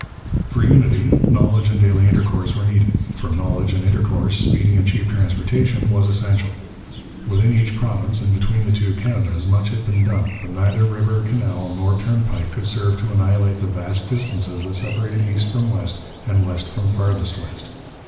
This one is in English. For unity, knowledge and daily intercourse were needed; for knowledge and intercourse, speedy and cheap transportation was essential. Within each province and between the two Canadas much had been done, but neither river, canal, nor turnpike could serve to annihilate the vast distances that separated east from west and west from farthest west.